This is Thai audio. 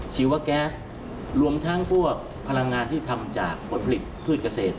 ชีวะแก๊สรวมทั้งพวกพลังงานที่ทำจากผลผลิตพืชเกษตร